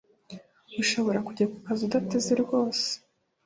ushobora kujya ku kazi udateze rwose